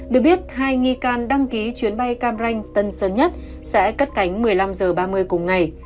được biết hai nghi can đăng ký chuyến bay cam ranh tân sơn nhất sẽ cất cánh một mươi năm h ba mươi cùng ngày